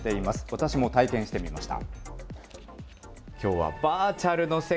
私も体験してみました。